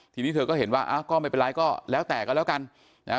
ทีนี้เธอก็เห็นว่าอ้าวก็ไม่เป็นไรก็แล้วแต่กันแล้วกันนะฮะ